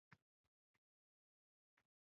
Bir baxyada boyidi